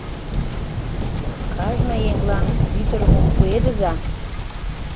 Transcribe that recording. — Кажне еҥлан пӱтырымым пуэдыза.